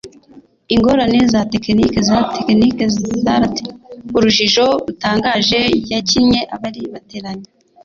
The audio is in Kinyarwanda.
ingorane za tekiniki za tekinike zaratsinzwe, Chris Goddard gukina urujijo rutangaje yakinnye abari bateranye.